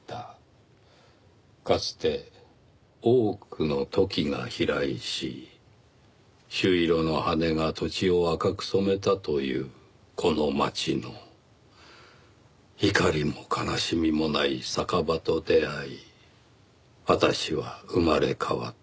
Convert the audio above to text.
「かつて多くの朱鷺が飛来し朱色の羽が土地を赤く染めたというこの町の怒りも哀しみもない酒場と出会いあたしは生まれ変わった」